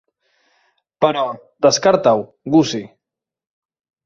Però, descarta-ho, Gussie.